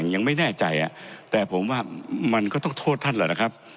ยังไม่แน่ใจแต่ผมว่ามันก็ต้องโทษท่านแหละนะครับ